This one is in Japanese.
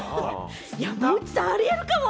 山内さん、ありえるかも。